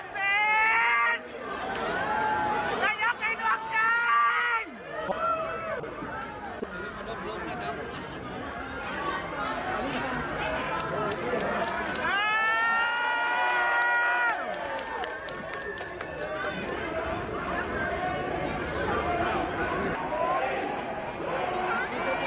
ที่ที่อีกอาทิตย์ด้วยกันอยู่ที่๑๒๒กระกอุ้น